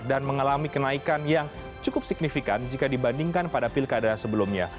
dan mengalami kenaikan yang cukup signifikan jika dibandingkan pada pilkada sebelumnya